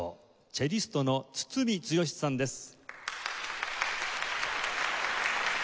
チェリストの堤剛さんです。